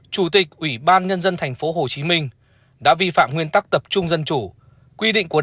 chủ tịch ủy ban nhân dân tp hcm đã vi phạm nguyên tắc tập trung dân chủ